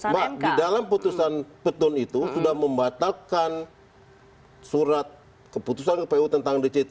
mbak di dalam putusan pt un itu sudah membatalkan surat keputusan kpu tentang dct seribu satu ratus tiga puluh